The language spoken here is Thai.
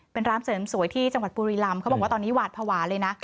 เป็นร้านเสริมสวยที่จังหวัดบุรีลำเขาบอกว่าตอนนี้หวาดภาวะเลยนะ